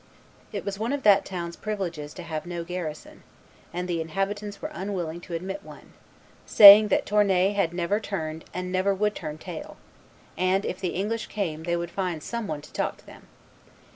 It was one of that town's privileges to have no garrison; and the inhabitants were unwilling to admit one, saying that Tournai never had turned and never would turn tail; and, if the English came, they would find some one to talk to them."